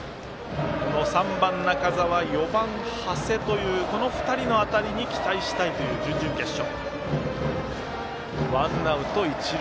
３番中澤、４番長谷というこの２人の当たりに期待したいという準々決勝。